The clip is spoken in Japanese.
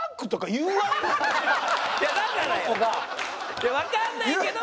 いやわかんないけど。